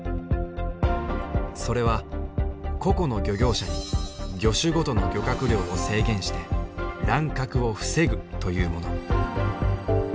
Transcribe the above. それは個々の漁業者に魚種ごとの漁獲量を制限して乱獲を防ぐというもの。